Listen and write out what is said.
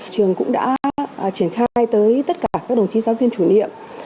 trường cũng đã triển khai tới tất cả các đồng chí giáo viên chủ nhiệm